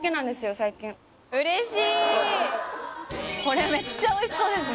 最近これめっちゃおいしそうですね